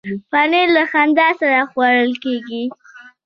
پنېر له خندا سره خوړل کېږي.